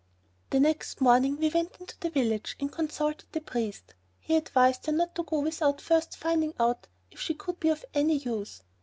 The next morning we went into the village and consulted the priest. He advised her not to go without first finding out if she could be of any use.